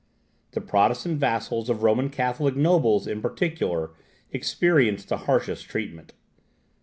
The Protestant vassals of Roman Catholic nobles, in particular, experienced the harshest treatment.